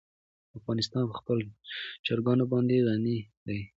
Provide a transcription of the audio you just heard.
افغانستان په خپلو چرګانو باندې غني دی.